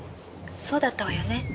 そうだったわよね。